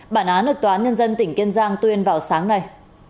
bản án được toán nhân dân tỉnh kiên giang tuyên vào sáng nay